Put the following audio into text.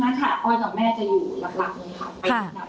ไปทุกนัดค่ะอ้อยกับแม่จะอยู่หลังนี้ค่ะ